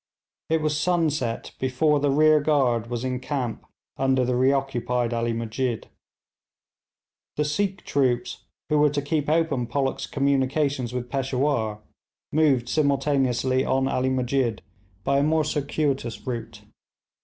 It was sunset before the rear guard was in camp under the reoccupied Ali Musjid. The Sikh troops who were to keep open Pollock's communications with Peshawur moved simultaneously on Ali Musjid by a more circuitous route.